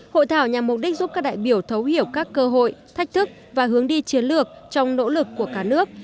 hội thảo nhằm mục đích giúp các đại biểu thấu hiểu các cơ hội thách thức và hướng đi chiến lược trong nỗ lực của cả nước